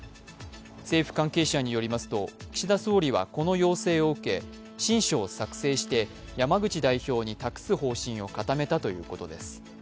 政府関係者によりますと岸田総理はこの要請を受け親書を作成して山口代表に託す方針を固めたということです。